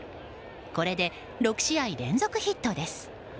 これで６試合連続ヒットです。